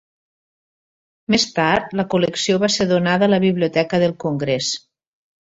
Més tard, la col·lecció va ser donada a la Biblioteca del Congrés.